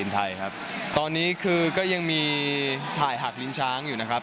ตอนนี้ก็ยังมีถ่ายหักลิ้นช้างอยู่นะคะ